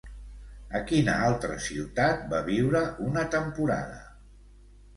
A quina altra ciutat va viure una temporada?